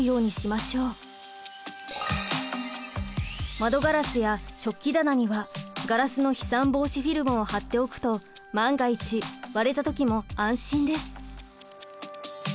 窓ガラスや食器棚にはガラスの飛散防止フィルムを貼っておくと万が一割れた時も安心です。